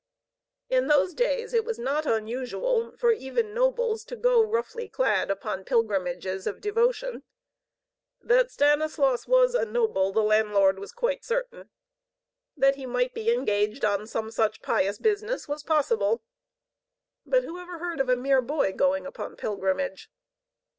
In those days it was not unusual for even nobles to go, roughly clad, upon pilgrimages of devotion. That Stanislaus was a noble, the landlord was quite certain. That he might be engaged on some such pious business, was possible. But who ever heard of a mere boy going upon pilgrimage?